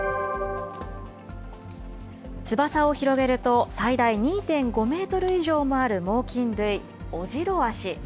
翼を広げると、最大２．５メートル以上もある猛きん類、オジロワシ。